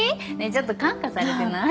ちょっと感化されてない？